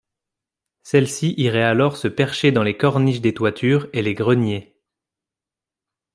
Celles-ci iraient alors se percher dans les corniches des toitures et les greniers.